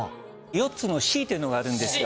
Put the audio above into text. ４つの「Ｃ」っていうのがあるんですよ。